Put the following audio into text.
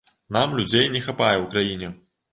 Нам людзей не хапае ў краіне.